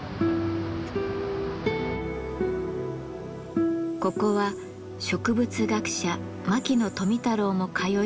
ここは植物学者・牧野富太郎も通い詰めた場所。